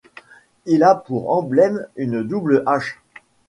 Il a pour emblème une double hache.